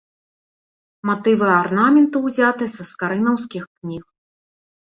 Матывы арнаменту ўзяты са скарынаўскіх кніг.